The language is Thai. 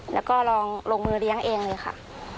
แล้วก็ลองลงมือเลี้ยงเองเลยค่ะ